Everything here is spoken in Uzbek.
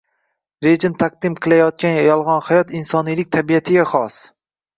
rejim taqdim qilayotgan “yolg‘on hayot” insoniylik tabiatiga xos